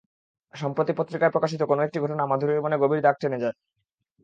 সম্প্রতি পত্রিকায় প্রকাশিত কোনো একটি ঘটনা মাধুরীর মনে গভীর দাগ টেনে যায়।